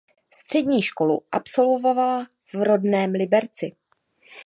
Střední školu absolvovala v rodném Liberci.